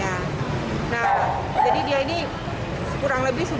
dulu rencana tempat ini mau dipakai untuk jualan makanan kucing